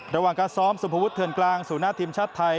ระหว่างการซ้อมสุภวุฒเถื่อนกลางสู่หน้าทีมชาติไทย